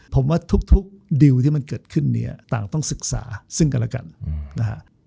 ผมว่าทุกดิวที่มันเกิดขึ้นเนี่ยต่างต้องศึกษาซึ่งกันแล้วกันนะฮะ